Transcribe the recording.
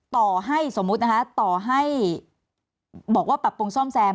ต่อให้สมมุตินะคะต่อให้บอกว่าปรับปรุงซ่อมแซม